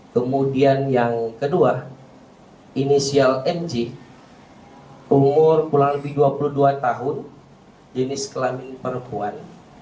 kemudian yang kedua inisial mj umur kurang lebih dua puluh dua tahun jenis kelamin perempuan